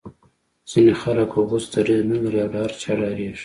ځینې خلک غوڅ دریځ نه لري او له هر چا ډاریږي